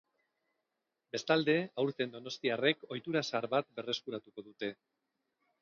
Bestalde, aurten donostiarrek ohitura zahar bat berreskuratuko dute.